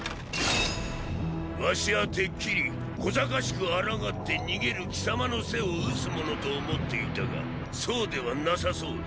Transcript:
儂はてっきり小賢しく抗って逃げる貴様の背を討つものと思っていたがそうではなさそうだ。